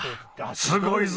すごいぞ！